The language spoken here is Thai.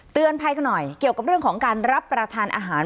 ภัยกันหน่อยเกี่ยวกับเรื่องของการรับประทานอาหาร